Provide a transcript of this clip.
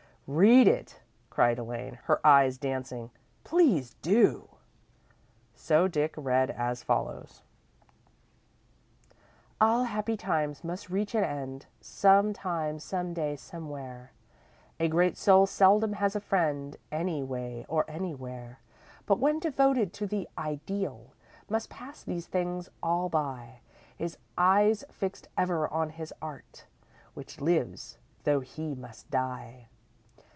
"Read it," cried Elaine, her eyes dancing. "Please do!" So Dick read as follows: All happy times must reach an end Sometime, someday, somewhere, A great soul seldom has a friend Anyway or anywhere. But one devoted to the Ideal Must pass these things all by, His eyes fixed ever on his Art, Which lives, though he must die.